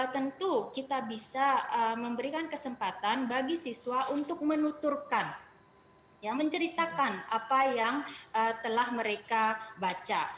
tentu kita bisa memberikan kesempatan bagi siswa untuk menuturkan menceritakan apa yang telah mereka baca